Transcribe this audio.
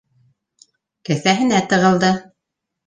Кеҫәһенә тығылды.